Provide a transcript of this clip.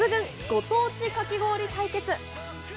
ご当地かき氷対決。